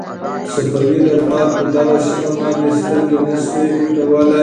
صفوي دربار پر دغه سیمه باندې سترګې نه شوای پټولای.